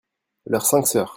Leurs cinq sœurs.